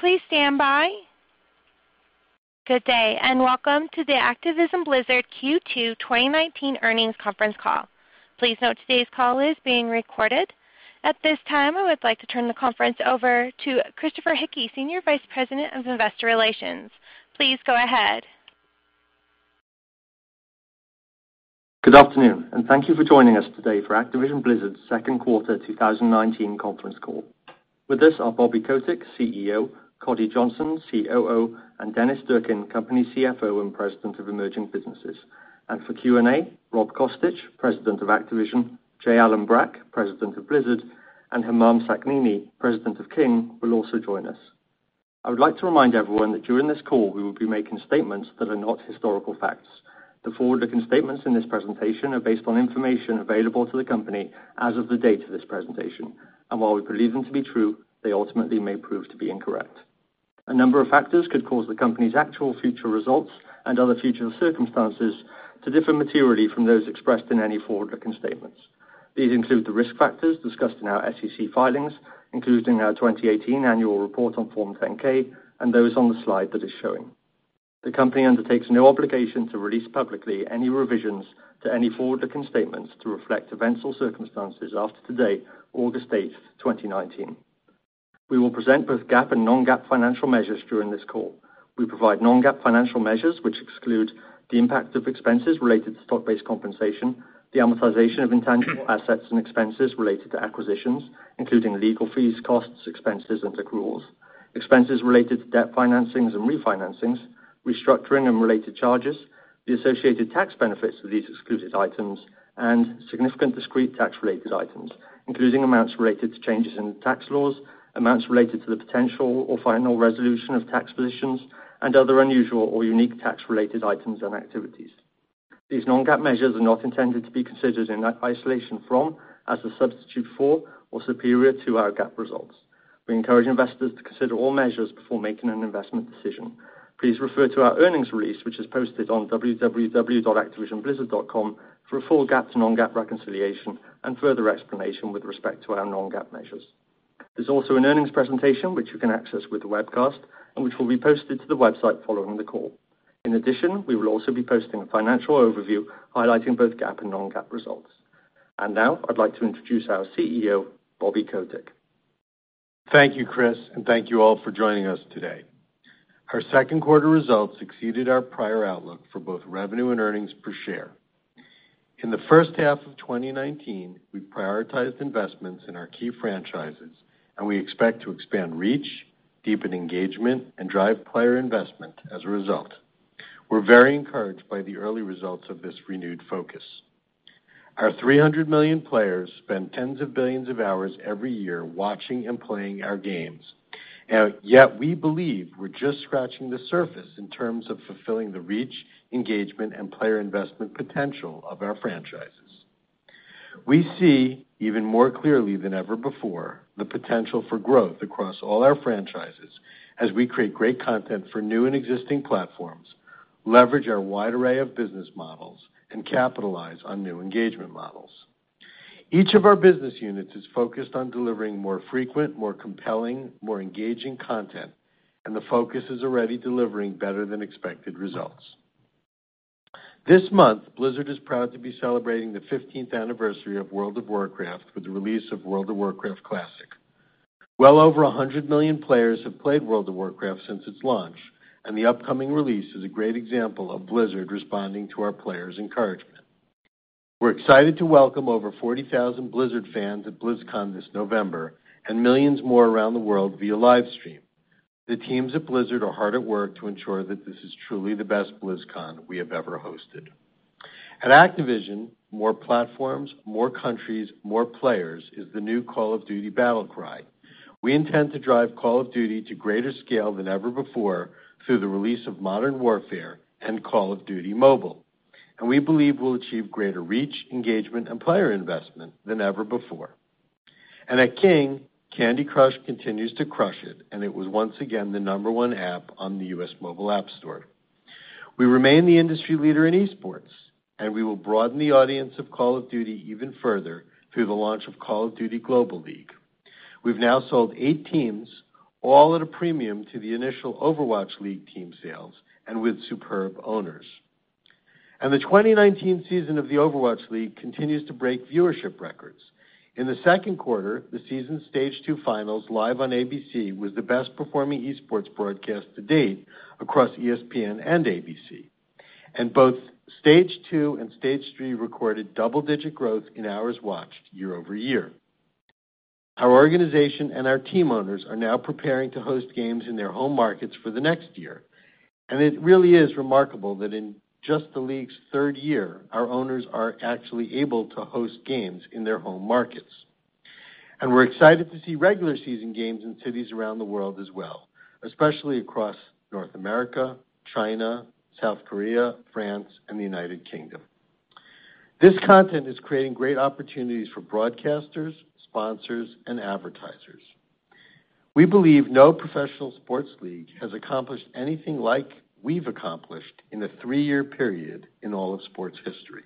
Please stand by. Good day, welcome to the Activision Blizzard Q2 2019 earnings conference call. Please note today's call is being recorded. At this time, I would like to turn the conference over to Christopher Hickey, Senior Vice President of Investor Relations. Please go ahead. Good afternoon, thank you for joining us today for Activision Blizzard's second quarter 2019 conference call. With us are Bobby Kotick, CEO, Coddy Johnson, COO, and Dennis Durkin, Company CFO and President of Emerging Businesses. For Q&A, Rob Kostich, President of Activision, J. Allen Brack, President of Blizzard, and Humam Sakhnini, President of King, will also join us. I would like to remind everyone that during this call, we will be making statements that are not historical facts. The forward-looking statements in this presentation are based on information available to the company as of the date of this presentation, and while we believe them to be true, they ultimately may prove to be incorrect. A number of factors could cause the company's actual future results and other future circumstances to differ materially from those expressed in any forward-looking statements. These include the risk factors discussed in our SEC filings, including our 2018 annual report on Form 10-K and those on the slide that is showing. The company undertakes no obligation to release publicly any revisions to any forward-looking statements to reflect events or circumstances after today, August 8th, 2019. We will present both GAAP and non-GAAP financial measures during this call. We provide non-GAAP financial measures, which exclude the impact of expenses related to stock-based compensation, the amortization of intangible assets and expenses related to acquisitions, including legal fees, costs, expenses, and accruals, expenses related to debt financings and refinancings, restructuring and related charges, the associated tax benefits of these excluded items, and significant discrete tax-related items, including amounts related to changes in tax laws, amounts related to the potential or final resolution of tax positions, and other unusual or unique tax-related items and activities. These non-GAAP measures are not intended to be considered in isolation from, as a substitute for, or superior to our GAAP results. We encourage investors to consider all measures before making an investment decision. Please refer to our earnings release, which is posted on www.activisionblizzard.com for a full GAAP to non-GAAP reconciliation and further explanation with respect to our non-GAAP measures. There's also an earnings presentation, which you can access with the webcast and which will be posted to the website following the call. In addition, we will also be posting a financial overview highlighting both GAAP and non-GAAP results. Now I'd like to introduce our CEO, Bobby Kotick. Thank you, Chris, and thank you all for joining us today. Our second quarter results exceeded our prior outlook for both revenue and earnings per share. In the first half of 2019, we've prioritized investments in our key franchises, and we expect to expand reach, deepen engagement, and drive player investment as a result. We're very encouraged by the early results of this renewed focus. Our 300 million players spend tens of billions of hours every year watching and playing our games. Yet, we believe we're just scratching the surface in terms of fulfilling the reach, engagement, and player investment potential of our franchises. We see even more clearly than ever before the potential for growth across all our franchises as we create great content for new and existing platforms, leverage our wide array of business models, and capitalize on new engagement models. Each of our business units is focused on delivering more frequent, more compelling, more engaging content, and the focus is already delivering better than expected results. This month, Blizzard is proud to be celebrating the 15th anniversary of World of Warcraft with the release of World of Warcraft Classic. Well over 100 million players have played World of Warcraft since its launch, and the upcoming release is a great example of Blizzard responding to our players' encouragement. We're excited to welcome over 40,000 Blizzard fans at BlizzCon this November and millions more around the world via live stream. The teams at Blizzard are hard at work to ensure that this is truly the best BlizzCon we have ever hosted. At Activision, more platforms, more countries, more players is the new Call of Duty battle cry. We intend to drive Call of Duty to greater scale than ever before through the release of Modern Warfare and Call of Duty: Mobile. We believe we'll achieve greater reach, engagement, and player investment than ever before. At King, Candy Crush continues to crush it, and it was once again the number one app on the U.S. app stores. We remain the industry leader in esports, and we will broaden the audience of Call of Duty even further through the launch of Call of Duty League. We've now sold 8 teams, all at a premium to the initial Overwatch League team sales and with superb owners. The 2019 season of the Overwatch League continues to break viewership records. In the second quarter, the season stage 2 finals live on ABC was the best-performing esports broadcast to date across ESPN and ABC. Both stage 2 and stage 3 recorded double-digit growth in hours watched year-over-year. Our organization and our team owners are now preparing to host games in their home markets for the next year, and it really is remarkable that in just the league's third year, our owners are actually able to host games in their home markets. We're excited to see regular season games in cities around the world as well, especially across North America, China, South Korea, France, and the United Kingdom. This content is creating great opportunities for broadcasters, sponsors, and advertisers. We believe no professional sports league has accomplished anything like we've accomplished in a three-year period in all of sports history.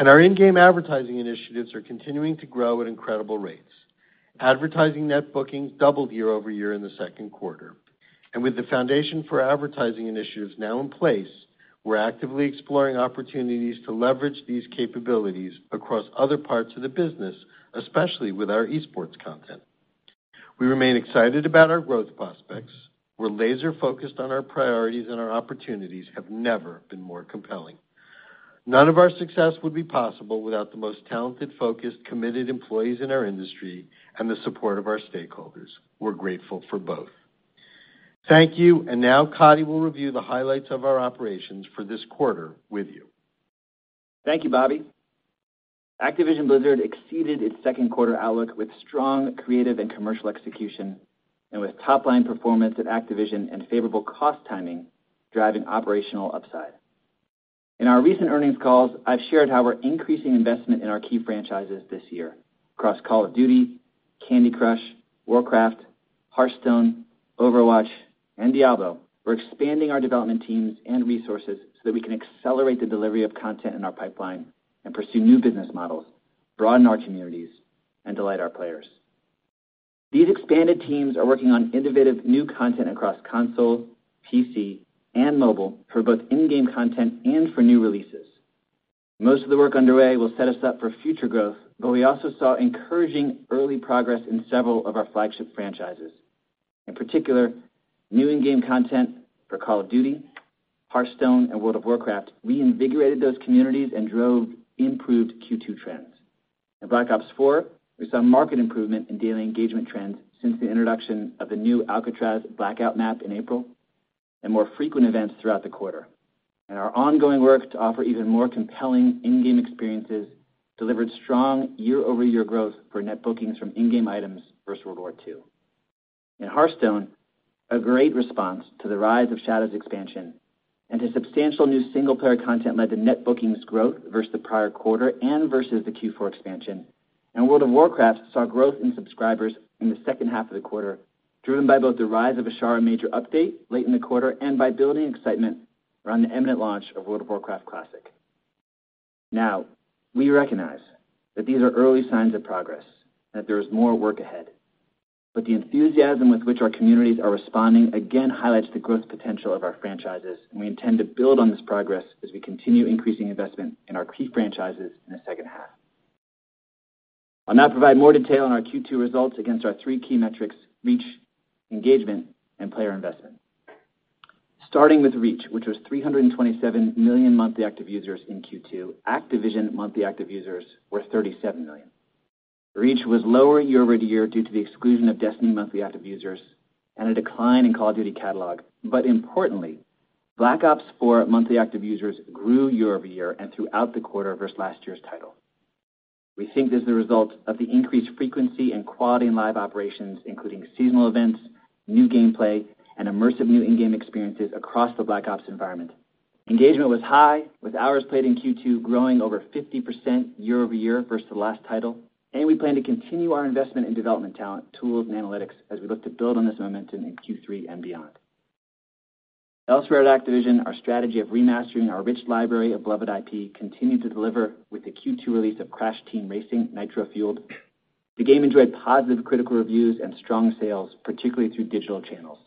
Our in-game advertising initiatives are continuing to grow at incredible rates. Advertising net bookings doubled year-over-year in the second quarter. With the foundation for advertising initiatives now in place, we're actively exploring opportunities to leverage these capabilities across other parts of the business, especially with our esports content. We remain excited about our growth prospects. We're laser-focused on our priorities, and our opportunities have never been more compelling. None of our success would be possible without the most talented, focused, committed employees in our industry and the support of our stakeholders. We're grateful for both. Thank you, and now Coddy will review the highlights of our operations for this quarter with you. Thank you, Bobby. Activision Blizzard exceeded its second quarter outlook with strong creative and commercial execution, and with top-line performance at Activision and favorable cost timing driving operational upside. In our recent earnings calls, I've shared how we're increasing investment in our key franchises this year across Call of Duty, Candy Crush, Warcraft, Hearthstone, Overwatch, and Diablo. We're expanding our development teams and resources so that we can accelerate the delivery of content in our pipeline and pursue new business models, broaden our communities, and delight our players. These expanded teams are working on innovative new content across console, PC, and mobile for both in-game content and for new releases. Most of the work underway will set us up for future growth, but we also saw encouraging early progress in several of our flagship franchises. In particular, new in-game content for Call of Duty, Hearthstone, and World of Warcraft reinvigorated those communities and drove improved Q2 trends. In Black Ops 4, we saw market improvement in daily engagement trends since the introduction of the new Alcatraz Blackout map in April, and more frequent events throughout the quarter. Our ongoing work to offer even more compelling in-game experiences delivered strong year-over-year growth for net bookings from in-game items versus World War II. In Hearthstone, a great response to the Rise of Shadows expansion and to substantial new single player content led to net bookings growth versus the prior quarter and versus the Q4 expansion. World of Warcraft saw growth in subscribers in the second half of the quarter, driven by both the Rise of Azshara major update late in the quarter and by building excitement around the imminent launch of World of Warcraft Classic. We recognize that these are early signs of progress and that there is more work ahead. The enthusiasm with which our communities are responding again highlights the growth potential of our franchises, and we intend to build on this progress as we continue increasing investment in our key franchises in the second half. I'll now provide more detail on our Q2 results against our three key metrics, reach, engagement, and player investment. Starting with reach, which was 327 million monthly active users in Q2. Activision monthly active users were 37 million. Reach was lower year-over-year due to the exclusion of Destiny monthly active users and a decline in Call of Duty catalog. Importantly, Black Ops 4 monthly active users grew year-over-year and throughout the quarter versus last year's title. We think this is a result of the increased frequency and quality in live operations, including seasonal events, new gameplay, and immersive new in-game experiences across the Black Ops environment. Engagement was high, with hours played in Q2 growing over 50% year-over-year versus the last title, and we plan to continue our investment in development talent, tools, and analytics as we look to build on this momentum in Q3 and beyond. Elsewhere at Activision, our strategy of remastering our rich library of beloved IP continued to deliver with the Q2 release of Crash Team Racing Nitro-Fueled. The game enjoyed positive critical reviews and strong sales, particularly through digital channels.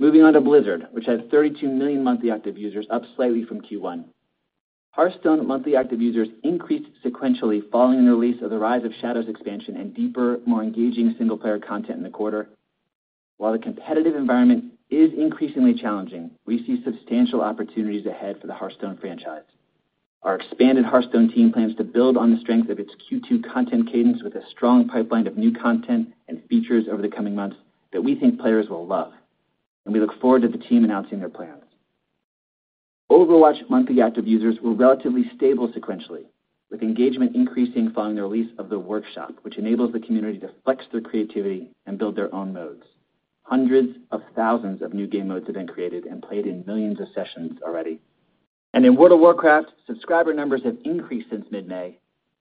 Moving on to Blizzard, which had 32 million monthly active users, up slightly from Q1. Hearthstone monthly active users increased sequentially following the release of the Rise of Shadows expansion and deeper, more engaging single player content in the quarter. While the competitive environment is increasingly challenging, we see substantial opportunities ahead for the Hearthstone franchise. Our expanded Hearthstone team plans to build on the strength of its Q2 content cadence with a strong pipeline of new content and features over the coming months that we think players will love, and we look forward to the team announcing their plans. Overwatch monthly active users were relatively stable sequentially, with engagement increasing following the release of the Workshop, which enables the community to flex their creativity and build their own modes. Hundreds of thousands of new game modes have been created and played in millions of sessions already. In World of Warcraft, subscriber numbers have increased since mid-May,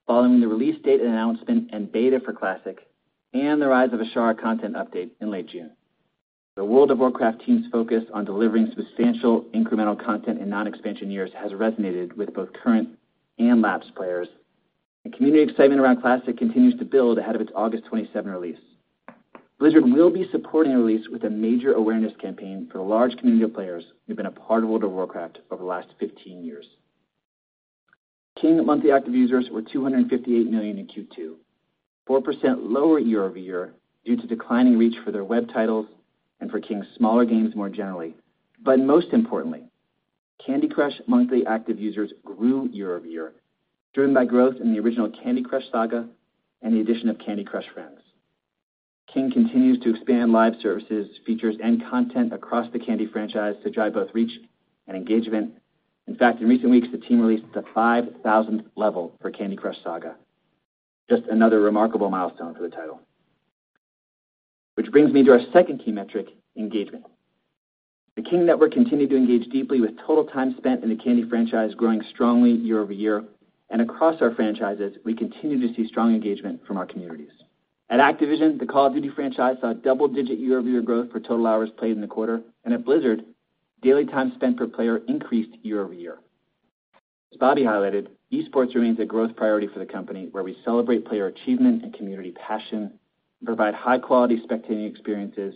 following the release date announcement in beta for Classic and the Rise of Azshara content update in late June. The World of Warcraft team's focus on delivering substantial incremental content in non-expansion years has resonated with both current and lapsed players, and community excitement around Classic continues to build ahead of its August 27 release. Blizzard will be supporting the release with a major awareness campaign for the large community of players who've been a part of World of Warcraft over the last 15 years. King monthly active users were 258 million in Q2, 4% lower year-over-year due to declining reach for their web titles and for King's smaller games more generally. Most importantly, Candy Crush monthly active users grew year-over-year, driven by growth in the original Candy Crush Saga and the addition of Candy Crush Friends. King continues to expand live services, features, and content across the Candy franchise to drive both reach and engagement. In fact, in recent weeks, the team released the 5,000th level for Candy Crush Saga. Just another remarkable milestone for the title. Which brings me to our second key metric, engagement. The King network continued to engage deeply with total time spent in the Candy franchise growing strongly year-over-year, and across our franchises, we continue to see strong engagement from our communities. At Activision, the Call of Duty franchise saw double-digit year-over-year growth for total hours played in the quarter, and at Blizzard, daily time spent per player increased year-over-year. As Bobby highlighted, esports remains a growth priority for the company, where we celebrate player achievement and community passion, provide high-quality spectating experiences,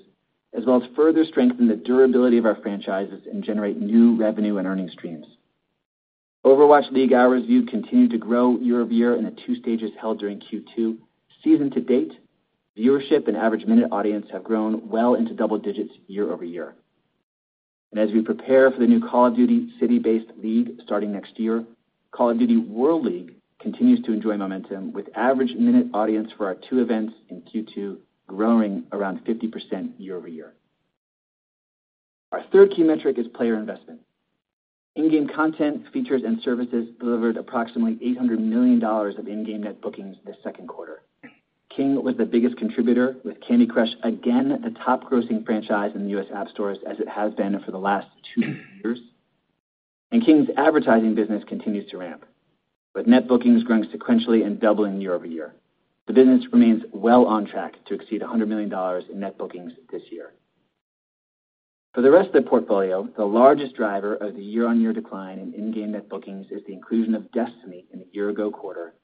as well as further strengthen the durability of our franchises and generate new revenue and earning streams. Overwatch League hours viewed continued to grow year-over-year in the 2 stages held during Q2. Season to date, viewership and average minute audience have grown well into double digits year-over-year. As we prepare for the new Call of Duty League starting next year, Call of Duty World League continues to enjoy momentum with average minute audience for our two events in Q2 growing around 50% year-over-year. Our third key metric is player investment. In-game content, features, and services delivered approximately $800 million of in-game net bookings this second quarter. King was the biggest contributor with Candy Crush again the top grossing franchise in the U.S. app stores as it has been for the last two years. King's advertising business continues to ramp, with net bookings growing sequentially and doubling year-over-year. The business remains well on track to exceed $100 million in net bookings this year. For the rest of the portfolio, the largest driver of the year-on-year decline in in-game net bookings is the inclusion of Destiny in the year-ago quarter,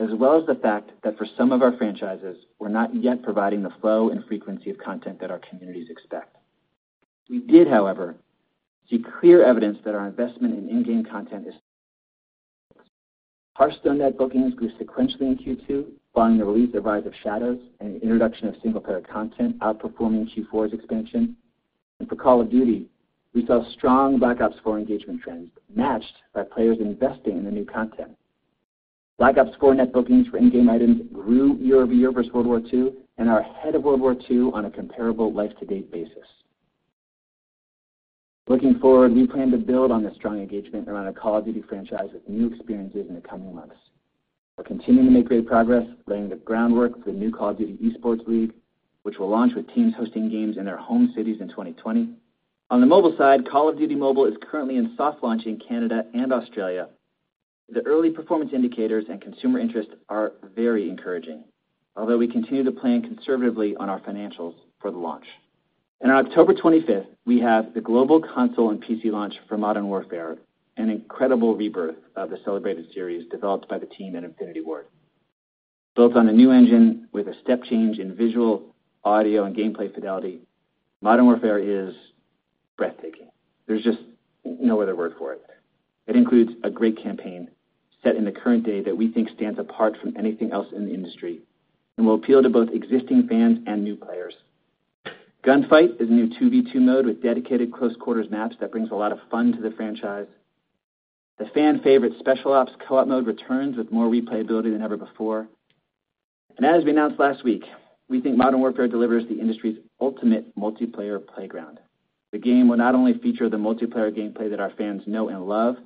as well as the fact that for some of our franchises, we're not yet providing the flow and frequency of content that our communities expect. We did, however, see clear evidence that our investment in in-game content is paying off. Hearthstone net bookings grew sequentially in Q2, following the release of Rise of Shadows and the introduction of single-player content, outperforming Q4's expansion. For Call of Duty, we saw strong Black Ops 4 engagement trends matched by players investing in the new content. Black Ops 4 net bookings for in-game items grew year-over-year versus World War II and are ahead of World War II on a comparable life-to-date basis. Looking forward, we plan to build on the strong engagement around our Call of Duty franchise with new experiences in the coming months. We're continuing to make great progress laying the groundwork for the new Call of Duty League, which will launch with teams hosting games in their home cities in 2020. On the mobile side, Call of Duty: Mobile is currently in soft launch in Canada and Australia. The early performance indicators and consumer interest are very encouraging. We continue to plan conservatively on our financials for the launch. On October 25th, we have the global console and PC launch for Modern Warfare, an incredible rebirth of the celebrated series developed by the team at Infinity Ward. Built on a new engine with a step change in visual, audio, and gameplay fidelity, Modern Warfare is breathtaking. There's just no other word for it. It includes a great campaign set in the current day that we think stands apart from anything else in the industry and will appeal to both existing fans and new players. Gunfight is a new 2v2 mode with dedicated close-quarters maps that brings a lot of fun to the franchise. The fan-favorite Special Ops co-op mode returns with more replayability than ever before. As we announced last week, we think Modern Warfare delivers the industry's ultimate multiplayer playground. The game will not only feature the multiplayer gameplay that our fans know and love,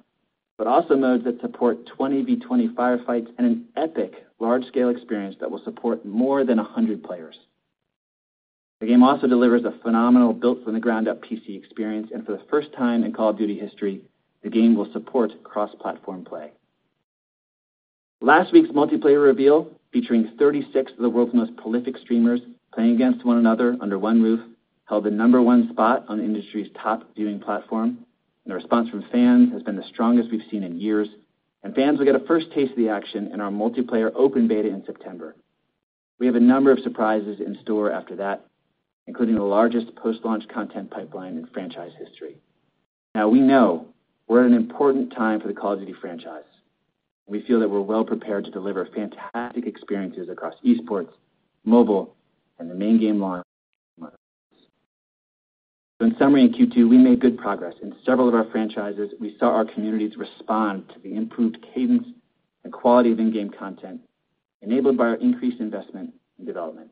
but also modes that support 20v20 firefights and an epic large-scale experience that will support more than 100 players. The game also delivers a phenomenal built-from-the-ground-up PC experience, and for the first time in Call of Duty history, the game will support cross-platform play. Last week's multiplayer reveal, featuring 36 of the world's most prolific streamers playing against one another under one roof, held the number one spot on the industry's top viewing platform. The response from fans has been the strongest we've seen in years. Fans will get a first taste of the action in our multiplayer open beta in September. We have a number of surprises in store after that, including the largest post-launch content pipeline in franchise history. Now, we know we're at an important time for the Call of Duty franchise. We feel that we're well prepared to deliver fantastic experiences across esports, mobile, and the main game launch in the coming months. In summary, in Q2, we made good progress. In several of our franchises, we saw our communities respond to the improved cadence and quality of in-game content enabled by our increased investment in development.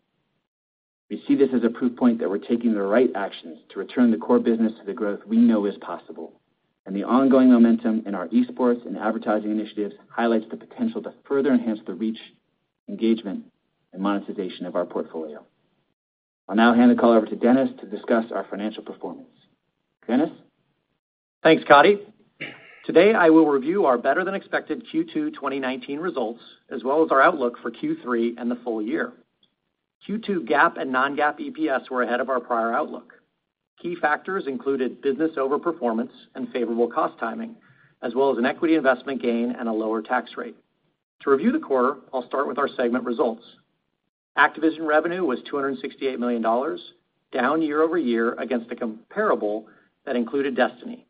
We see this as a proof point that we're taking the right actions to return the core business to the growth we know is possible, and the ongoing momentum in our esports and advertising initiatives highlights the potential to further enhance the reach, engagement, and monetization of our portfolio. I'll now hand the call over to Dennis to discuss our financial performance. Dennis? Thanks, Coddy. Today, I will review our better-than-expected Q2 2019 results, as well as our outlook for Q3 and the full year. Q2 GAAP and non-GAAP EPS were ahead of our prior outlook. Key factors included business overperformance and favorable cost timing, as well as an equity investment gain and a lower tax rate. To review the quarter, I'll start with our segment results. Activision revenue was $268 million, down year-over-year against a comparable that included Destiny.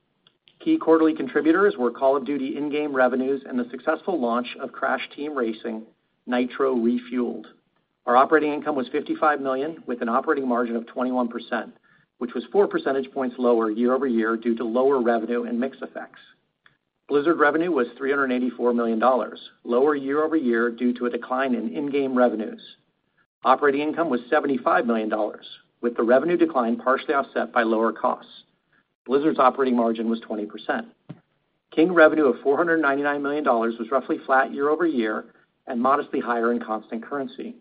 Key quarterly contributors were Call of Duty in-game revenues and the successful launch of Crash Team Racing Nitro-Fueled. Our operating income was $55 million, with an operating margin of 21%, which was four percentage points lower year-over-year due to lower revenue and mix effects. Blizzard revenue was $384 million, lower year-over-year due to a decline in in-game revenues. Operating income was $75 million, with the revenue decline partially offset by lower costs. Blizzard's operating margin was 20%. King revenue of $499 million was roughly flat year-over-year and modestly higher in constant currency.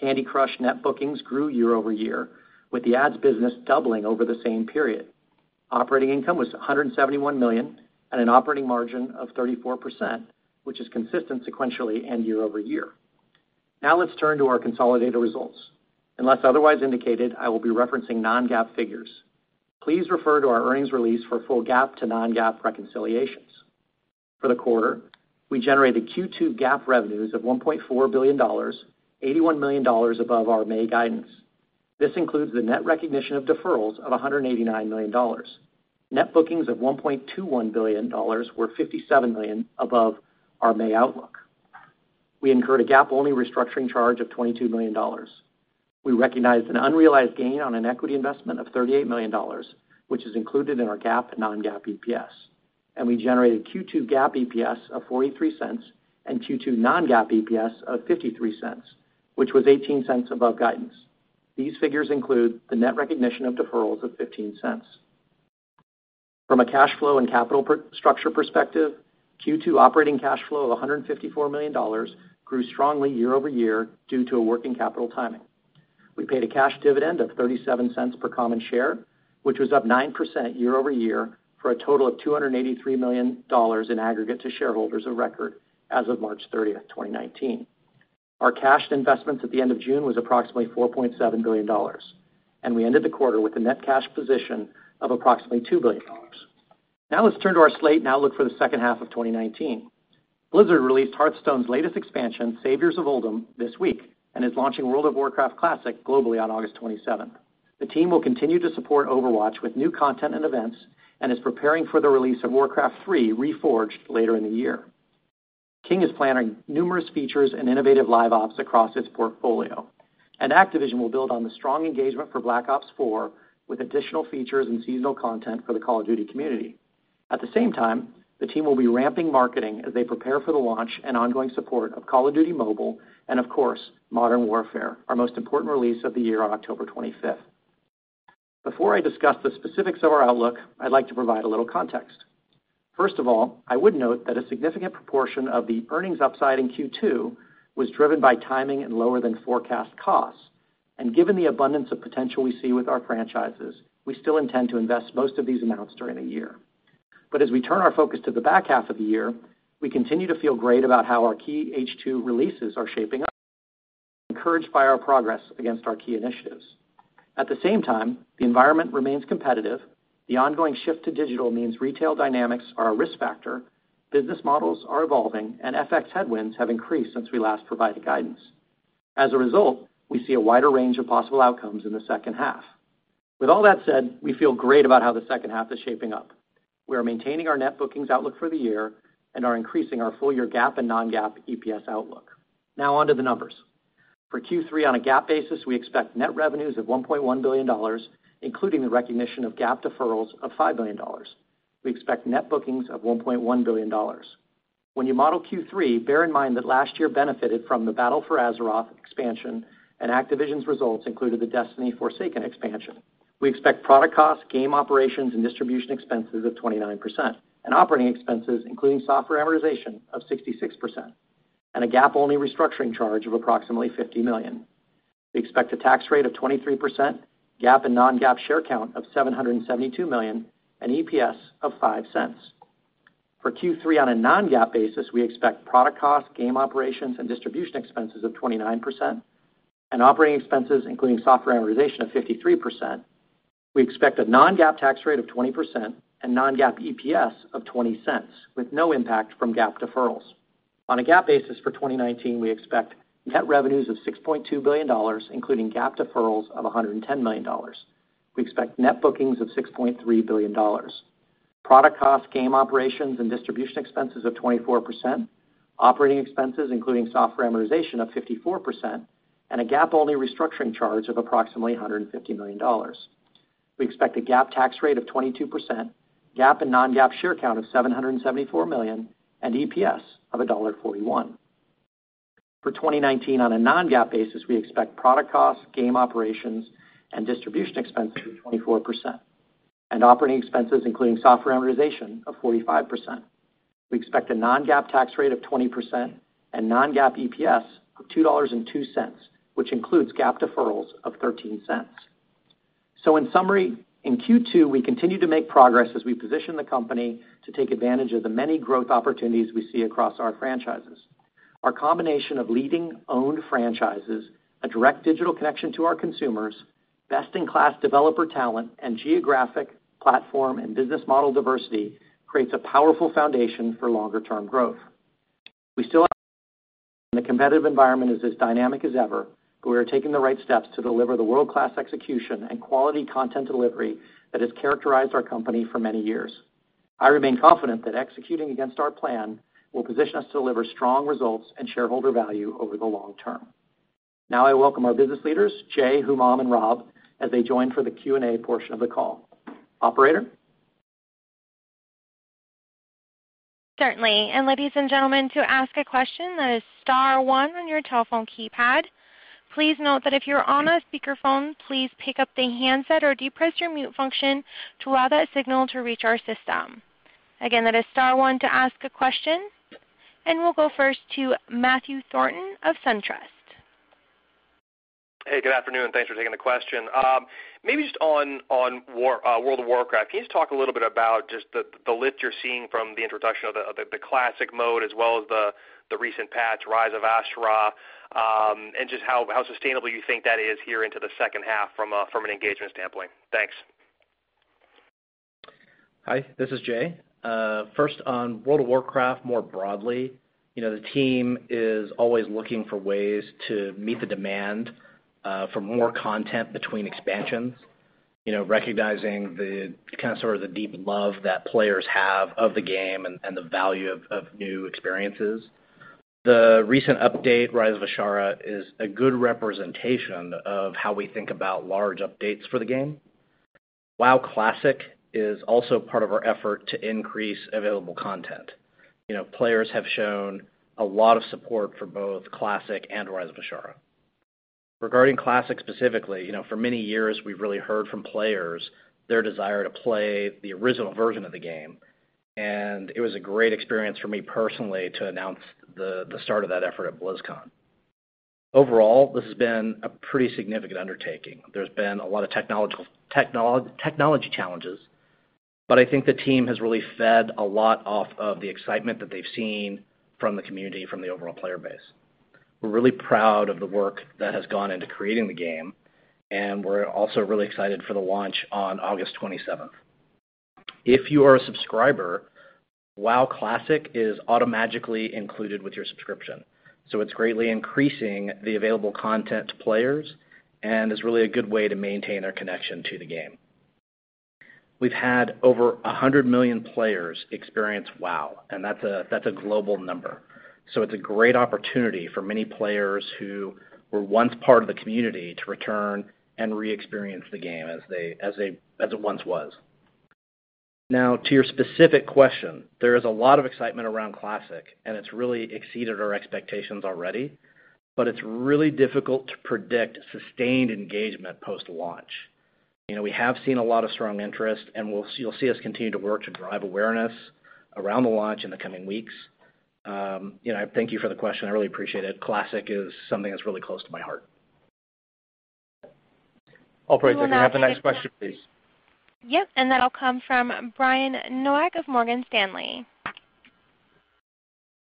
Candy Crush net bookings grew year-over-year with the ads business doubling over the same period. Operating income was $171 million on an operating margin of 34%, which is consistent sequentially and year-over-year. Let's turn to our consolidated results. Unless otherwise indicated, I will be referencing non-GAAP figures. Please refer to our earnings release for full GAAP to non-GAAP reconciliations. For the quarter, we generated Q2 GAAP revenues of $1.4 billion, $81 million above our May guidance. This includes the net recognition of deferrals of $189 million. Net bookings of $1.21 billion were $57 million above our May outlook. We incurred a GAAP-only restructuring charge of $22 million. We recognized an unrealized gain on an equity investment of $38 million, which is included in our GAAP and non-GAAP EPS. We generated Q2 GAAP EPS of $0.43 and Q2 non-GAAP EPS of $0.53, which was $0.18 above guidance. These figures include the net recognition of deferrals of $0.15. From a cash flow and capital structure perspective, Q2 operating cash flow of $154 million grew strongly year-over-year due to a working capital timing. We paid a cash dividend of $0.37 per common share, which was up 9% year-over-year for a total of $283 million in aggregate to shareholders of record as of March 30, 2019. Our cash investments at the end of June was approximately $4.7 billion. We ended the quarter with a net cash position of approximately $2 billion. Now let's turn to our slate and outlook for the second half of 2019. Blizzard released Hearthstone's latest expansion, Saviors of Uldum, this week, and is launching World of Warcraft Classic globally on August 27th. The team will continue to support Overwatch with new content and events and is preparing for the release of Warcraft III: Reforged later in the year. King is planning numerous features and innovative live ops across its portfolio. Activision will build on the strong engagement for Black Ops 4 with additional features and seasonal content for the Call of Duty community. At the same time, the team will be ramping marketing as they prepare for the launch and ongoing support of Call of Duty: Mobile and of course, Modern Warfare, our most important release of the year on October 25th. Before I discuss the specifics of our outlook, I'd like to provide a little context. First of all, I would note that a significant proportion of the earnings upside in Q2 was driven by timing and lower than forecast costs. Given the abundance of potential we see with our franchises, we still intend to invest most of these amounts during the year. As we turn our focus to the back half of the year, we continue to feel great about how our key H2 releases are shaping up, encouraged by our progress against our key initiatives. At the same time, the environment remains competitive. The ongoing shift to digital means retail dynamics are a risk factor, business models are evolving, and FX headwinds have increased since we last provided guidance. As a result, we see a wider range of possible outcomes in the second half. With all that said, we feel great about how the second half is shaping up. We are maintaining our net bookings outlook for the year and are increasing our full-year GAAP and non-GAAP EPS outlook. Now on to the numbers. For Q3 on a GAAP basis, we expect net revenues of $1.1 billion, including the recognition of GAAP deferrals of $5 billion. We expect net bookings of $1.1 billion. When you model Q3, bear in mind that last year benefited from the Battle for Azeroth expansion and Activision's results included the Destiny Forsaken expansion. We expect product costs, game operations, and distribution expenses of 29% and operating expenses, including software amortization, of 66%, and a GAAP-only restructuring charge of approximately $50 million. We expect a tax rate of 23%, GAAP and non-GAAP share count of 772 million, and EPS of $0.05. For Q3 on a non-GAAP basis, we expect product cost, game operations, and distribution expenses of 29% and operating expenses, including software amortization, of 53%. We expect a non-GAAP tax rate of 20% and non-GAAP EPS of $0.20 with no impact from GAAP deferrals. On a GAAP basis for 2019, we expect net revenues of $6.2 billion, including GAAP deferrals of $110 million. We expect net bookings of $6.3 billion. Product cost, game operations, and distribution expenses of 24%, operating expenses, including software amortization, of 54%, and a GAAP-only restructuring charge of approximately $150 million. We expect a GAAP tax rate of 22%, GAAP and non-GAAP share count of 774 million, and EPS of $1.41. For 2019 on a non-GAAP basis, we expect product cost, game operations, and distribution expenses of 24%, and operating expenses, including software amortization, of 45%. We expect a non-GAAP tax rate of 20% and non-GAAP EPS of $2.02, which includes GAAP deferrals of $0.13. In summary, in Q2, we continued to make progress as we position the company to take advantage of the many growth opportunities we see across our franchises. Our combination of leading owned franchises, a direct digital connection to our consumers, best-in-class developer talent, and geographic platform and business model diversity creates a powerful foundation for longer-term growth. The competitive environment is as dynamic as ever. We are taking the right steps to deliver the world-class execution and quality content delivery that has characterized our company for many years. I remain confident that executing against our plan will position us to deliver strong results and shareholder value over the long term. Now I welcome our business leaders, Jay, Humam, and Rob, as they join for the Q&A portion of the call. Operator? Certainly. Ladies and gentlemen, to ask a question, that is star one on your telephone keypad. Please note that if you're on a speakerphone, please pick up the handset or depress your mute function to allow that signal to reach our system. Again, that is star one to ask a question, and we'll go first to Matthew Thornton of SunTrust. Hey, good afternoon, and thanks for taking the question. Maybe just on World of Warcraft, can you just talk a little bit about just the lift you're seeing from the introduction of the classic mode as well as the recent patch, Rise of Azshara, and just how sustainable you think that is here into the second half from an engagement standpoint? Thanks. Hi, this is Jay. First, on World of Warcraft, more broadly, the team is always looking for ways to meet the demand for more content between expansions, recognizing the sort of deep love that players have of the game and the value of new experiences. The recent update, Rise of Azshara, is a good representation of how we think about large updates for the game. WoW Classic is also part of our effort to increase available content. Players have shown a lot of support for both Classic and Rise of Azshara. Regarding Classic specifically, for many years, we've really heard from players their desire to play the original version of the game, and it was a great experience for me personally to announce the start of that effort at BlizzCon. Overall, this has been a pretty significant undertaking. There's been a lot of technology challenges, but I think the team has really fed a lot off of the excitement that they've seen from the community, from the overall player base. We're really proud of the work that has gone into creating the game, and we're also really excited for the launch on August 27th. If you are a subscriber, WoW Classic is automatically included with your subscription, so it's greatly increasing the available content to players and is really a good way to maintain their connection to the game. We've had over 100 million players experience WoW, and that's a global number. It's a great opportunity for many players who were once part of the community to return and re-experience the game as it once was. Now, to your specific question, there is a lot of excitement around Classic, and it's really exceeded our expectations already, but it's really difficult to predict sustained engagement post-launch. We have seen a lot of strong interest, and you'll see us continue to work to drive awareness around the launch in the coming weeks. Thank you for the question. I really appreciate it. Classic is something that's really close to my heart. Operator- You will now- Can I have the next question, please? Yep. That'll come from Brian Nowak of Morgan Stanley.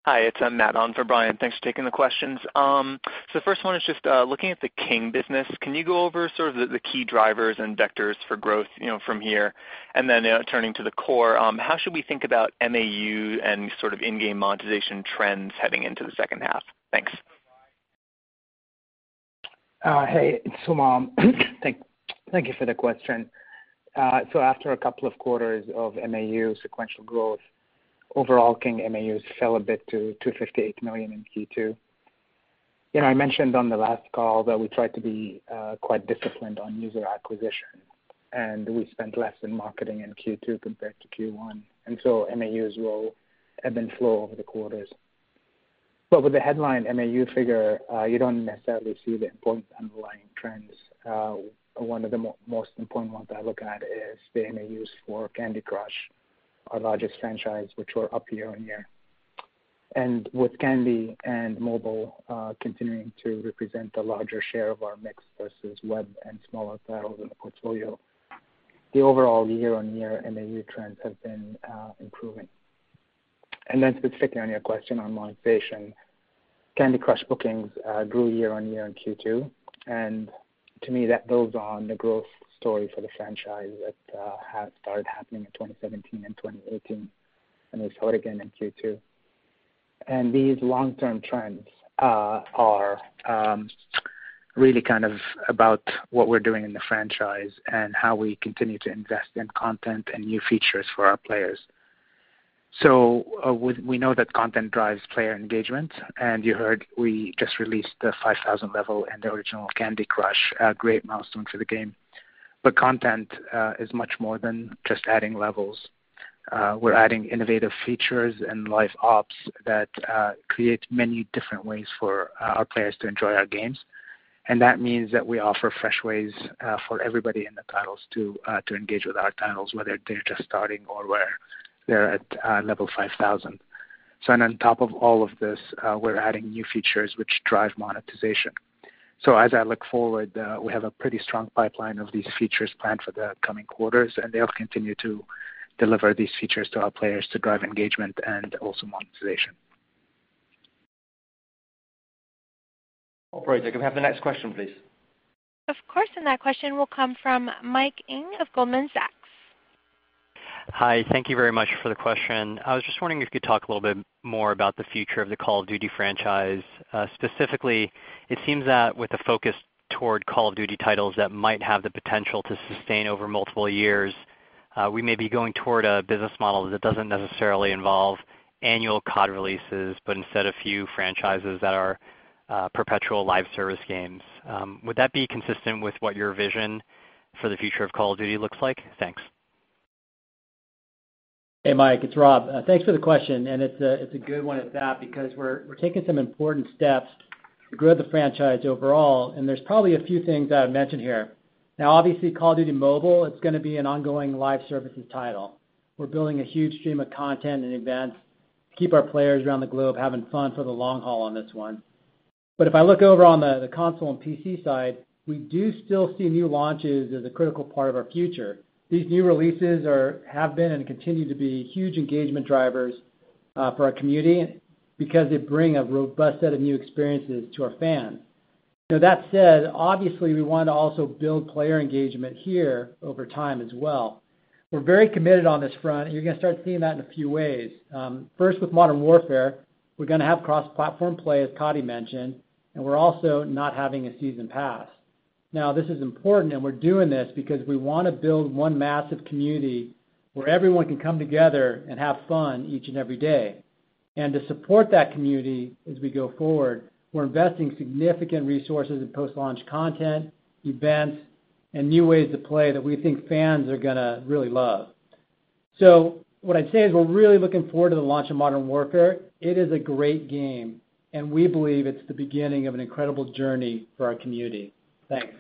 Hi, it's Matt on for Brian. Thanks for taking the questions. The first one is just looking at the King business. Can you go over sort of the key drivers and vectors for growth from here? Turning to the core, how should we think about MAU and sort of in-game monetization trends heading into the second half? Thanks. Hey, it's Humam. Thank you for the question. After a couple of quarters of MAU sequential growth, overall King MAUs fell a bit to $258 million in Q2. I mentioned on the last call that we try to be quite disciplined on user acquisition, we spent less in marketing in Q2 compared to Q1. MAUs will ebb and flow over the quarters. With the headline MAU figure, you don't necessarily see the important underlying trends. One of the most important ones I look at is the MAUs for Candy Crush, our largest franchise, which were up year-over-year. With Candy and mobile continuing to represent a larger share of our mix versus web and smaller titles in the portfolio, the overall year-over-year MAU trends have been improving. Specifically on your question on monetization, Candy Crush bookings grew year-on-year in Q2. To me, that builds on the growth story for the franchise that had started happening in 2017 and 2018, and we saw it again in Q2. These long-term trends are really kind of about what we're doing in the franchise and how we continue to invest in content and new features for our players. We know that content drives player engagement, and you heard we just released the 5,000 level in the original Candy Crush, a great milestone for the game. Content is much more than just adding levels. We're adding innovative features and live ops that create many different ways for our players to enjoy our games. That means that we offer fresh ways for everybody in the titles to engage with our titles, whether they're just starting or where they're at level 5,000. On top of all of this, we're adding new features which drive monetization. As I look forward, we have a pretty strong pipeline of these features planned for the coming quarters, and they'll continue to deliver these features to our players to drive engagement and also monetization. Operator, can we have the next question, please? Of course. That question will come from Mike Ng of Goldman Sachs. Hi. Thank you very much for the question. I was just wondering if you could talk a little bit more about the future of the Call of Duty franchise. Specifically, it seems that with the focus toward Call of Duty titles that might have the potential to sustain over multiple years, we may be going toward a business model that doesn't necessarily involve annual COD releases, but instead a few franchises that are perpetual live service games. Would that be consistent with what your vision for the future of Call of Duty looks like? Thanks. Hey, Mike, it's Rob. Thanks for the question, and it's a good one at that, because we're taking some important steps to grow the franchise overall, and there's probably a few things that I would mention here. Obviously, Call of Duty: Mobile, it's going to be an ongoing live services title. We're building a huge stream of content and events to keep our players around the globe having fun for the long haul on this one. If I look over on the console and PC side, we do still see new launches as a critical part of our future. These new releases have been and continue to be huge engagement drivers for our community because they bring a robust set of new experiences to our fans. That said, obviously, we want to also build player engagement here over time as well. We're very committed on this front. You're going to start seeing that in a few ways. First, with Modern Warfare, we're going to have cross-platform play, as Coddy mentioned, and we're also not having a season pass. Now, this is important, and we're doing this because we want to build one massive community where everyone can come together and have fun each and every day. To support that community as we go forward, we're investing significant resources in post-launch content, events, and new ways to play that we think fans are going to really love. What I'd say is we're really looking forward to the launch of Modern Warfare. It is a great game, and we believe it's the beginning of an incredible journey for our community. Thanks.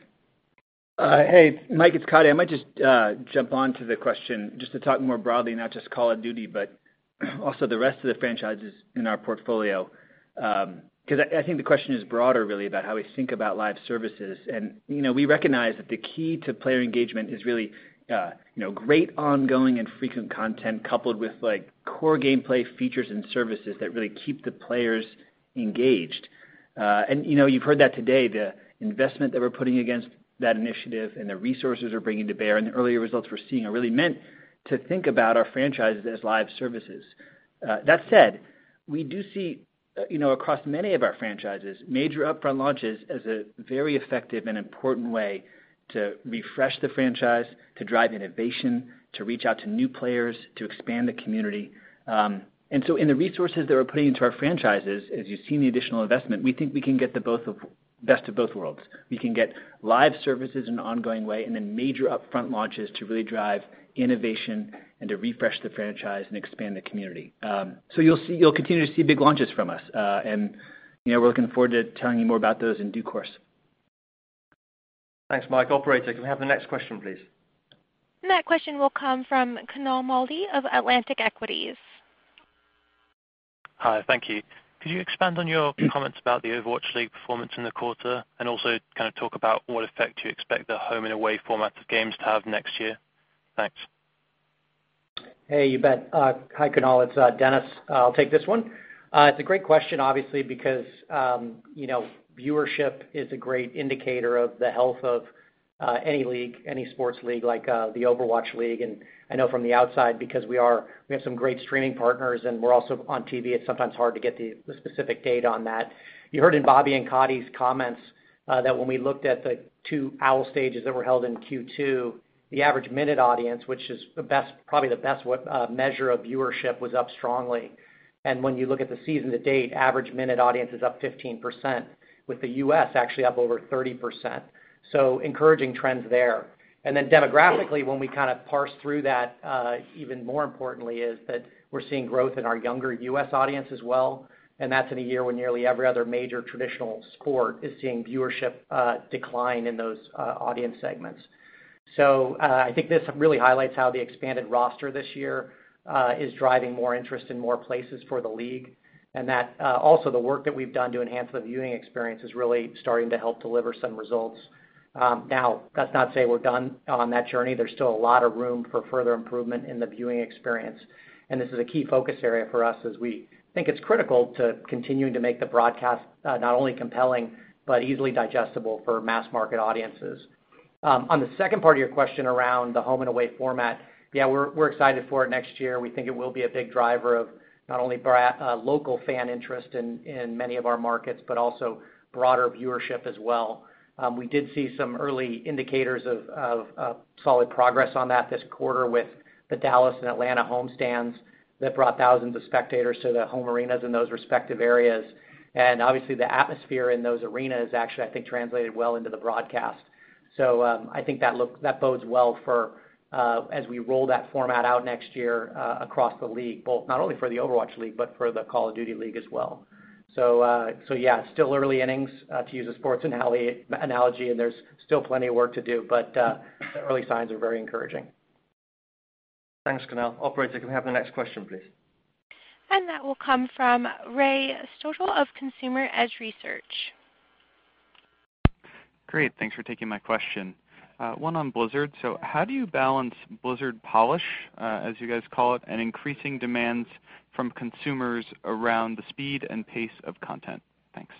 Hey, Mike, it's Coddy. I might just jump onto the question just to talk more broadly, not just Call of Duty, but also the rest of the franchises in our portfolio. I think the question is broader really about how we think about live services. We recognize that the key to player engagement is really great ongoing and frequent content coupled with core gameplay features and services that really keep the players engaged. You've heard that today, the investment that we're putting against that initiative and the resources we're bringing to bear and the earlier results we're seeing are really meant to think about our franchises as live services. That said, we do see, across many of our franchises, major upfront launches as a very effective and important way to refresh the franchise, to drive innovation, to reach out to new players, to expand the community. In the resources that we're putting into our franchises, as you've seen the additional investment, we think we can get the best of both worlds. We can get live services in an ongoing way, and then major upfront launches to really drive innovation and to refresh the franchise and expand the community. You'll continue to see big launches from us. We're looking forward to telling you more about those in due course. Thanks, Mike. Operator, can we have the next question, please? That question will come from Kunaal Malde of Atlantic Equities. Hi, thank you. Could you expand on your comments about the Overwatch League performance in the quarter, and also kind of talk about what effect you expect the home-and-away format of games to have next year? Thanks. Hey, you bet. Hi, Kunaal. It's Dennis. I'll take this one. It's a great question, obviously, because viewership is a great indicator of the health of any league, any sports league like the Overwatch League. I know from the outside, because we have some great streaming partners, and we're also on TV, it's sometimes hard to get the specific data on that. You heard in Bobby and Coddy's comments that when we looked at the 2 OWL stages that were held in Q2, the average minute audience, which is probably the best measure of viewership, was up strongly. When you look at the season to date, average minute audience is up 15%, with the U.S. actually up over 30%. Encouraging trends there. Demographically, when we kind of parse through that, even more importantly, is that we're seeing growth in our younger U.S. audience as well, and that's in a year when nearly every other major traditional sport is seeing viewership decline in those audience segments. I think this really highlights how the expanded roster this year is driving more interest in more places for the league. That also the work that we've done to enhance the viewing experience is really starting to help deliver some results. Now, that's not to say we're done on that journey. There's still a lot of room for further improvement in the viewing experience, and this is a key focus area for us as we think it's critical to continuing to make the broadcast not only compelling but easily digestible for mass market audiences. On the second part of your question around the home-and-away format, yeah, we're excited for it next year. We think it will be a big driver of not only local fan interest in many of our markets, but also broader viewership as well. We did see some early indicators of solid progress on that this quarter with the Dallas and Atlanta homestands that brought thousands of spectators to the home arenas in those respective areas. Obviously, the atmosphere in those arenas actually, I think, translated well into the broadcast. I think that bodes well as we roll that format out next year across the league, both not only for the Overwatch League, but for the Call of Duty League as well. Yeah, it's still early innings, to use a sports analogy, and there's still plenty of work to do, but the early signs are very encouraging. Thanks, Kunaal. Operator, can we have the next question, please? That will come from Ray Stochel of Consumer Edge Research. Great. Thanks for taking my question. One on Blizzard. How do you balance Blizzard polish, as you guys call it, and increasing demands from consumers around the speed and pace of content? Thanks.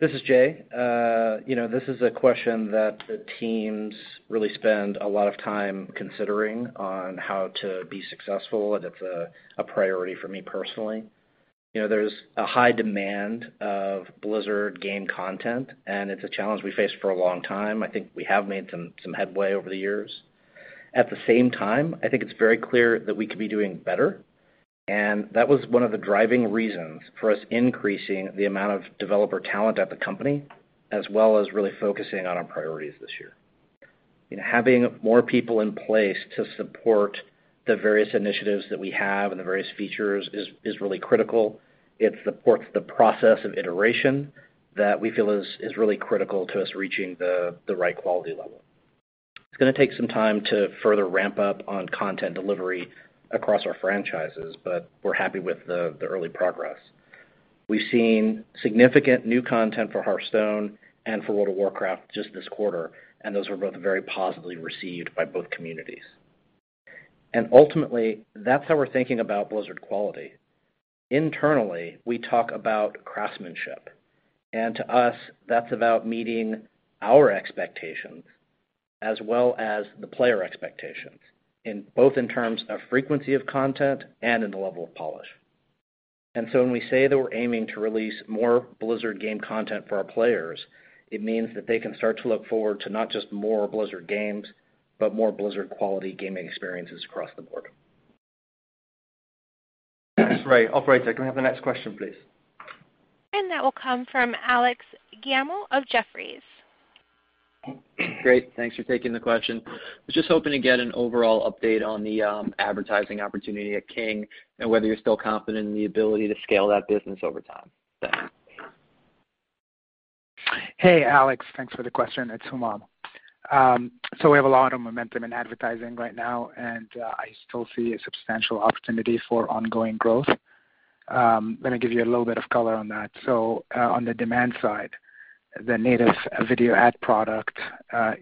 This is Jay. This is a question that the teams really spend a lot of time considering on how to be successful, and it's a priority for me personally. There's a high demand of Blizzard game content, and it's a challenge we faced for a long time. I think we have made some headway over the years. At the same time, I think it's very clear that we could be doing better. That was one of the driving reasons for us increasing the amount of developer talent at the company, as well as really focusing on our priorities this year. Having more people in place to support the various initiatives that we have and the various features is really critical. It supports the process of iteration that we feel is really critical to us reaching the right quality level. It's going to take some time to further ramp up on content delivery across our franchises, but we're happy with the early progress. We've seen significant new content for Hearthstone and for World of Warcraft just this quarter, and those were both very positively received by both communities. Ultimately, that's how we're thinking about Blizzard quality. Internally, we talk about craftsmanship. To us, that's about meeting our expectations as well as the player expectations, both in terms of frequency of content and in the level of polish. When we say that we're aiming to release more Blizzard game content for our players, it means that they can start to look forward to not just more Blizzard games, but more Blizzard-quality gaming experiences across the board. Thanks, Ray. Operator, can we have the next question, please? That will come from Alex Giaimo of Jefferies. Great. Thanks for taking the question. I was just hoping to get an overall update on the advertising opportunity at King and whether you're still confident in the ability to scale that business over time. Thanks. Hey, Alex. Thanks for the question. It's Humam. We have a lot of momentum in advertising right now, and I still see a substantial opportunity for ongoing growth. Let me give you a little bit of color on that. On the demand side, the native video ad product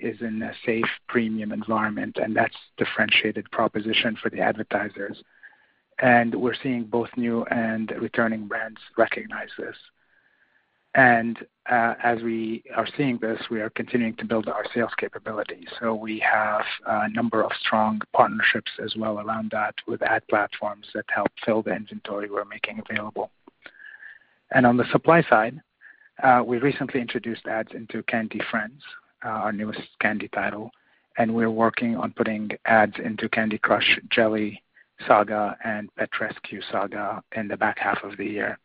is in a safe, premium environment, and that's differentiated proposition for the advertisers. We're seeing both new and returning brands recognize this. As we are seeing this, we are continuing to build our sales capabilities. We have a number of strong partnerships as well around that with ad platforms that help fill the inventory we're making available. On the supply side, we recently introduced ads into Candy Crush Friends Saga, our newest Candy title, and we're working on putting ads into Candy Crush Jelly Saga and Pet Rescue Saga in the back half of the year.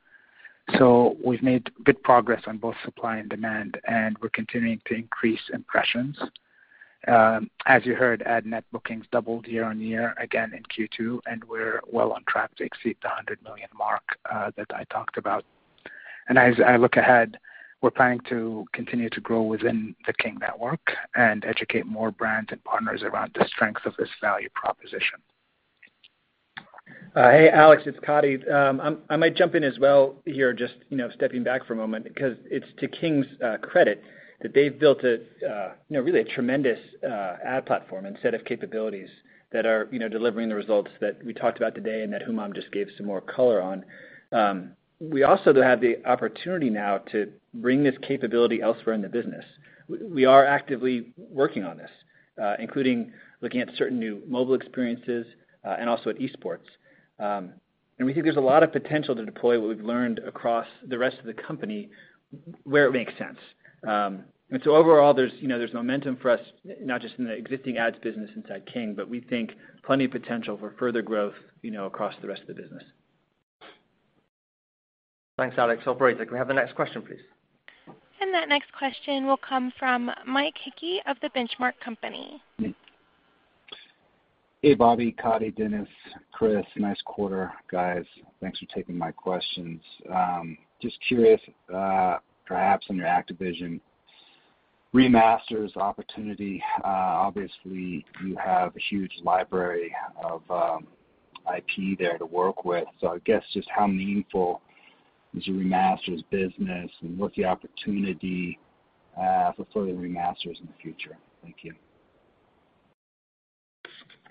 We've made good progress on both supply and demand, and we're continuing to increase impressions. As you heard, ad net bookings doubled year-over-year again in Q2, and we're well on track to exceed the $100 million mark that I talked about. As I look ahead, we're planning to continue to grow within the King network and educate more brands and partners around the strength of this value proposition. Hey, Alex, it's Coddy. I might jump in as well here, just stepping back for a moment, because it's to King's credit that they've built a really tremendous ad platform and set of capabilities that are delivering the results that we talked about today and that Humam just gave some more color on. We also have the opportunity now to bring this capability elsewhere in the business. We are actively working on this, including looking at certain new mobile experiences and also at esports. We think there's a lot of potential to deploy what we've learned across the rest of the company where it makes sense. Overall, there's momentum for us, not just in the existing ads business inside King, but we think plenty of potential for further growth across the rest of the business. Thanks, Alex. Operator, can we have the next question, please? That next question will come from Mike Hickey of The Benchmark Company. Hey, Bobby, Coddy, Dennis, Chris. Nice quarter, guys. Thanks for taking my questions. Just curious, perhaps on your Activision remasters opportunity. Obviously, you have a huge library of IP there to work with. I guess just how meaningful is your remasters business and what's the opportunity for further remasters in the future? Thank you.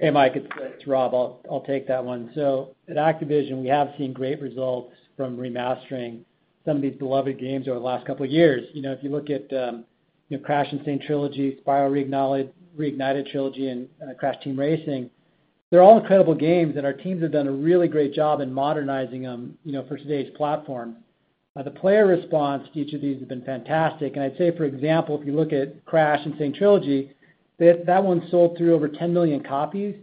Hey, Mike, it's Rob. I'll take that one. At Activision, we have seen great results from remastering some of these beloved games over the last couple of years. If you look at Crash N. Sane Trilogy, Spyro Reignited Trilogy, and Crash Team Racing, they're all incredible games, and our teams have done a really great job in modernizing them for today's platform. The player response to each of these has been fantastic. I'd say, for example, if you look at Crash N. Sane Trilogy, that one sold through over 10 million copies.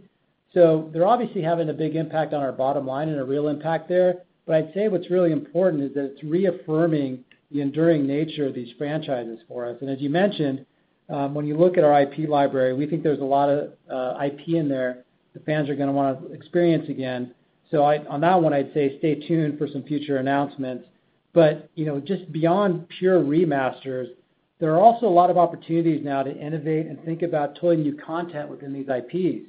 They're obviously having a big impact on our bottom line and a real impact there. I'd say what's really important is that it's reaffirming the enduring nature of these franchises for us. As you mentioned, when you look at our IP library, we think there's a lot of IP in there the fans are going to want to experience again. On that one, I'd say stay tuned for some future announcements. Just beyond pure remasters, there are also a lot of opportunities now to innovate and think about totally new content within these IPs.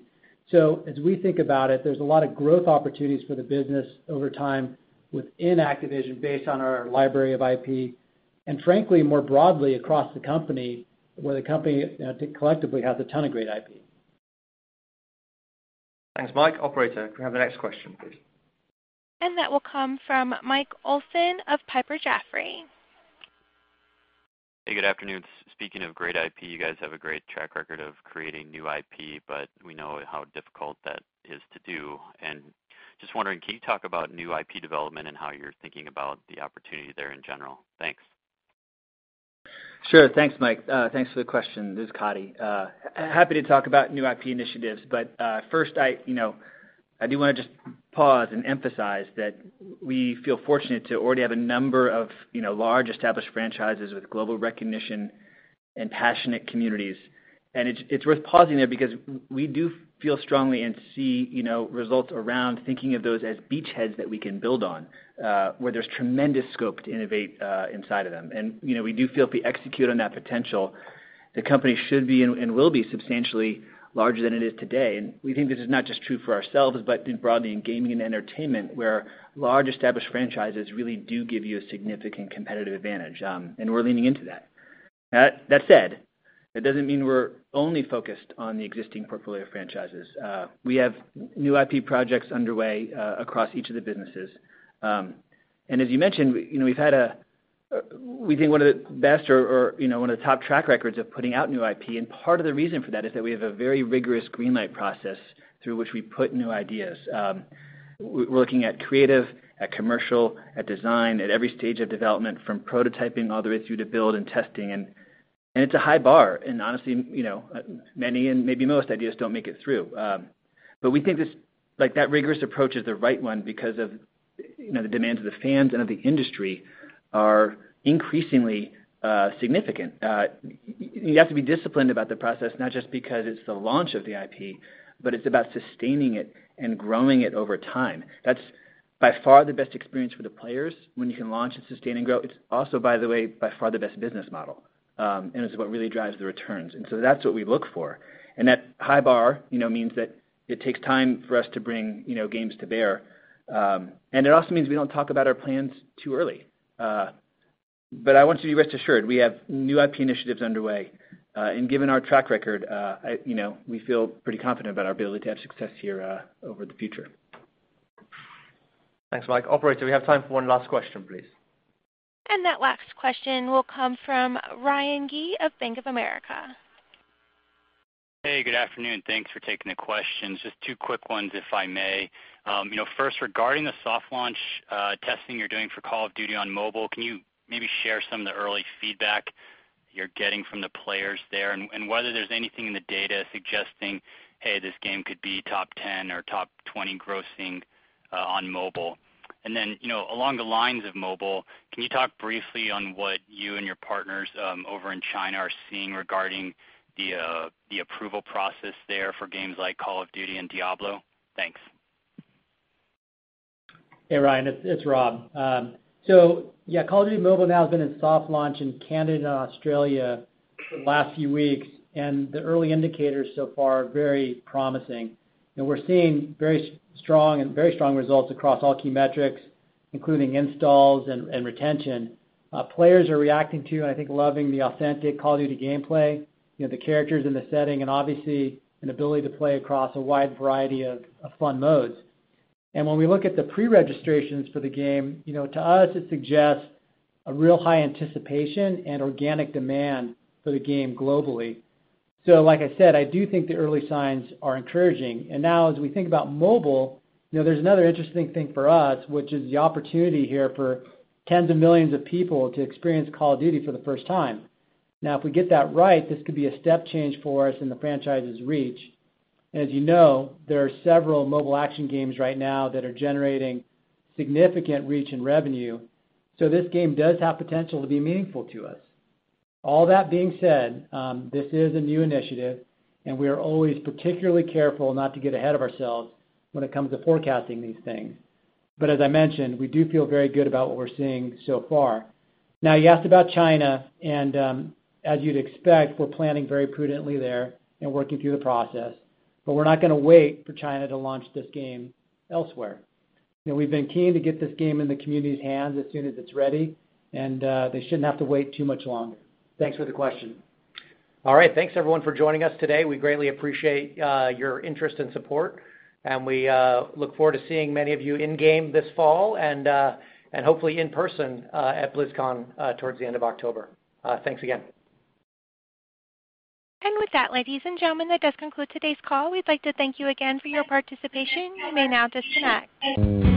As we think about it, there's a lot of growth opportunities for the business over time within Activision based on our library of IP, and frankly, more broadly across the company, where the company collectively has a ton of great IP. Thanks, Mike. Operator, can we have the next question, please? That will come from Mike Olson of Piper Jaffray. Hey, good afternoon. Speaking of great IP, you guys have a great track record of creating new IP, but we know how difficult that is to do. Just wondering, can you talk about new IP development and how you're thinking about the opportunity there in general? Thanks. Sure. Thanks, Mike. Thanks for the question. This is Coddy. Happy to talk about new IP initiatives, but first, I do want to just pause and emphasize that we feel fortunate to already have a number of large, established franchises with global recognition and passionate communities. It's worth pausing there because we do feel strongly and see results around thinking of those as beachheads that we can build on, where there's tremendous scope to innovate inside of them. We do feel if we execute on that potential, the company should be and will be substantially larger than it is today. We think this is not just true for ourselves, but broadly in gaming and entertainment, where large established franchises really do give you a significant competitive advantage. We're leaning into that. That said, it doesn't mean we're only focused on the existing portfolio of franchises. We have new IP projects underway across each of the businesses. As you mentioned, we think one of the best or one of the top track records of putting out new IP, and part of the reason for that is that we have a very rigorous green light process through which we put new ideas. We're looking at creative, at commercial, at design, at every stage of development from prototyping all the way through to build and testing and it's a high bar. Honestly, many and maybe most ideas don't make it through. We think that rigorous approach is the right one because of the demands of the fans and of the industry are increasingly significant. You have to be disciplined about the process, not just because it's the launch of the IP, but it's about sustaining it and growing it over time. That's by far the best experience for the players when you can launch and sustain and grow. It's also, by the way, by far the best business model, and it's what really drives the returns. That's what we look for. That high bar means that it takes time for us to bring games to bear. It also means we don't talk about our plans too early. I want you to be rest assured, we have new IP initiatives underway. Given our track record, we feel pretty confident about our ability to have success here over the future. Thanks, Mike. Operator, we have time for one last question, please. That last question will come from Ryan Gee of Bank of America. Hey, good afternoon. Thanks for taking the questions. Just two quick ones, if I may. First, regarding the soft launch testing you're doing for Call of Duty: Mobile, can you maybe share some of the early feedback you're getting from the players there, and whether there's anything in the data suggesting, hey, this game could be top 10 or top 20 grossing on mobile? Along the lines of mobile, can you talk briefly on what you and your partners over in China are seeing regarding the approval process there for games like Call of Duty and Diablo? Thanks. Hey, Ryan, it's Rob. Yeah, Call of Duty: Mobile now has been in soft launch in Canada and Australia for the last few weeks, the early indicators so far are very promising. We're seeing very strong results across all key metrics, including installs and retention. Players are reacting to, and I think loving the authentic Call of Duty gameplay, the characters and the setting, and obviously an ability to play across a wide variety of fun modes. When we look at the pre-registrations for the game, to us, it suggests a real high anticipation and organic demand for the game globally. Like I said, I do think the early signs are encouraging. Now as we think about mobile, there's another interesting thing for us, which is the opportunity here for tens of millions of people to experience Call of Duty for the first time. If we get that right, this could be a step change for us in the franchise's reach. You know, there are several mobile action games right now that are generating significant reach in revenue, so this game does have potential to be meaningful to us. All that being said, this is a new initiative, and we are always particularly careful not to get ahead of ourselves when it comes to forecasting these things. As I mentioned, we do feel very good about what we're seeing so far. You asked about China. As you'd expect, we're planning very prudently there and working through the process. We're not going to wait for China to launch this game elsewhere. We've been keen to get this game in the community's hands as soon as it's ready, and they shouldn't have to wait too much longer. Thanks for the question. All right. Thanks everyone for joining us today. We greatly appreciate your interest and support, and we look forward to seeing many of you in-game this fall, and hopefully in person at BlizzCon towards the end of October. Thanks again. With that, ladies and gentlemen, that does conclude today's call. We'd like to thank you again for your participation. You may now disconnect.